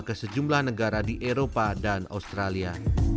ke sejumlah negara di eropa dan australia